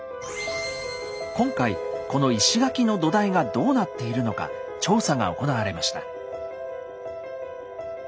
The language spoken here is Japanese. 今回この石垣の土台がどうなっているのか調査が行われました。